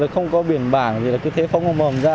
không có biển bảng gì là cứ thế phóng mầm mầm ra